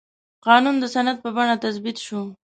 قانون د سند په بڼه تثبیت شو.